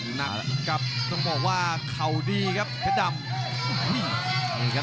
หนักครับต้องบอกว่าเข่าดีครับเพชรดำ